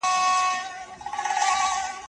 خاموشي له ډېر وخت راهیسې وه.